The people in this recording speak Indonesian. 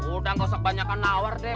udah enggak usah banyakkan awar deh